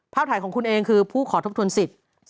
ถ่ายของคุณเองคือผู้ขอทบทวนสิทธิ์